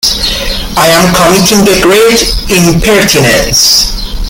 I am committing a great impertinence.